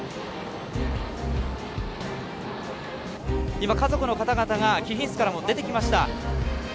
今家族の方々が貴賓室から出てきました。